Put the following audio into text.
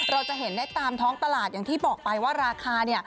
เราจะเห็นได้ตามท้องตลาดอย่างที่บอกไปว่าราคาเนี่ย